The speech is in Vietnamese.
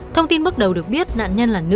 thông tin bước đầu được biết nạn nhân là nữ